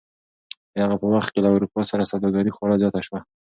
د هغه په وخت کې له اروپا سره سوداګري خورا زیاته شوه.